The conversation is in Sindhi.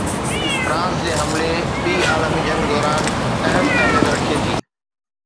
فرانس جي حملي ٻي عالمي جنگ دوران اهم اهميت رکي ٿي.